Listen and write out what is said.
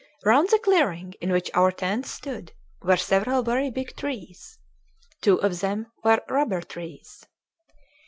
Round the clearing in which our tents stood were several very big trees; two of them were rubber trees.